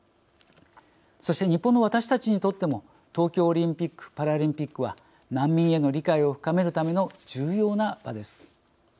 そして日本の私たちにとっても東京オリンピック・パラリンピックは難民への理解を深めるための重要な場です。